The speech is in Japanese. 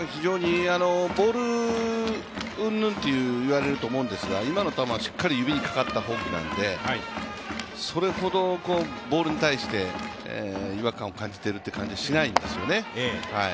ボール云々と言われると思うんですが、今の球、しっかりと指にかかったフォークなのでそれほどボールに対して違和感を感じているという感じはしないんですよね。